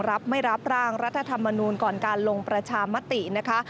รับไม่รับร่างรัฐธรรมนูลก่อนการลงประชามตินะคะ